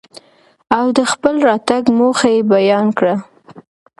او دخپل راتګ موخه يې بيان کره.